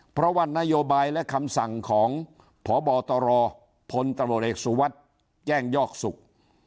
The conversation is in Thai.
เพราะว่านโยบายและคำสั่งของพบตรพลตำรวจเอกสุวัสดิ์แจ้งยอกศุกร์